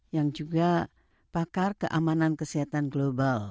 yang juga pakar keamanan kesehatan global